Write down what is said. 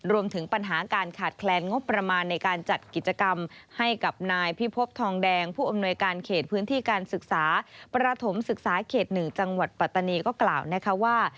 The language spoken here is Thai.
รวมถึงปัญหาการขาดแคลนงบประมาณในการจัดกิจกรรมให้กับนายพิพบทองแดงผู้อำนวยการเขตพื้นที่การศึกษาประถมศึกษาเขต๑จังหวัดปัตตานีก็กล่าวนะคะว่า